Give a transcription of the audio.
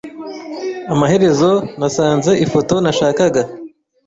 Amaherezo nasanze ifoto nashakaga.